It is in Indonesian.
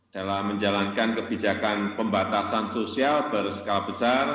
dalam menjalankan kebijakan pembatasan sosial berskala besar